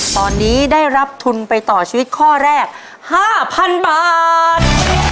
ตอนนี้ได้รับทุนไปต่อชีวิตข้อแรก๕๐๐๐บาท